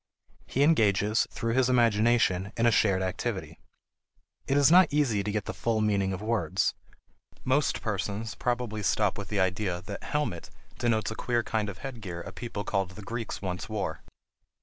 He engages, through his imagination, in a shared activity. It is not easy to get the full meaning of words. Most persons probably stop with the idea that "helmet" denotes a queer kind of headgear a people called the Greeks once wore.